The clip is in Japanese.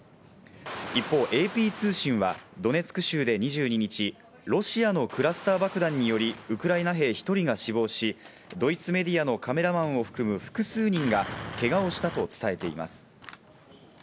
一方、ＡＰ通信はドネツク州で２２日、ロシアのクラスター爆弾により、ウクライナ兵１人が死亡し、ドイツメディアのカメラマンを含む複数人がけがをしたと伝えています。